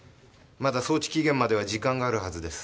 まだ送致期限までは時間があるはずです。